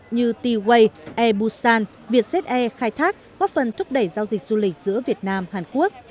như tway air busan vietjet air khai thác góp phần thúc đẩy giao dịch du lịch giữa việt nam hàn quốc